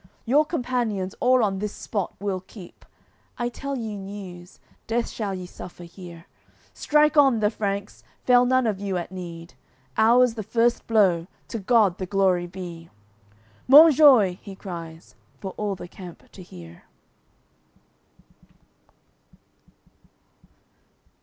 Your companions all on this spot we'll keep, I tell you news; death shall ye suffer here. Strike on, the Franks! Fail none of you at need! Ours the first blow, to God the glory be!" "Monjoie!" he cries, for all the camp to hear.